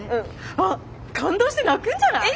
あっ感動して泣くんじゃない？え？